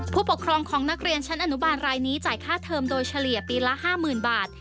ผู้ปกครองของนักเรียนชั้นอนุบาลรายนี้จ่ายค่าเทิมโดยเฉลี่ยปีละ๕๐๐๐บาท